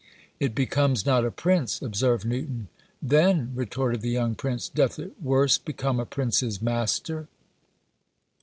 "It becomes not a prince," observed Newton. "Then," retorted the young prince, "doth it worse become a prince's master!"